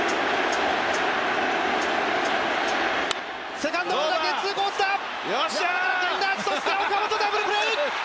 セカンドへ、ゲッツーコースだ、源田、そして岡本、ダブルプレー！